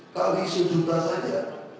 kalau di susunan saja